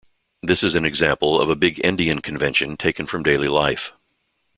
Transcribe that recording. This is an example of a big-endian convention taken from daily life.